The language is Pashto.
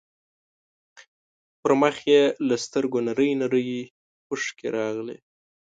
په مخ يې له سترګو نرۍ نرۍ اوښکې راغلې.